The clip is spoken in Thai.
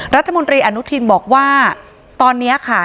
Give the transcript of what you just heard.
รัฐมนตรีอนุทินบอกว่าตอนนี้ค่ะ